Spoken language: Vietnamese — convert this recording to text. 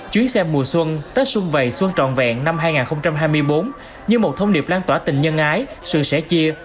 chuyến xe mùa xuân tết sung vầy xuân tròn vẹn năm hai nghìn hai mươi bốn như một thông điệp lan tỏa tình nhân ái sự sẽ chia